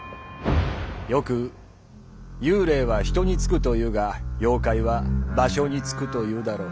よく幽霊は「人」に憑くというが妖怪は「場所」に憑くというだろ。